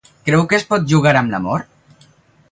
Creu que es pot jugar amb l'amor?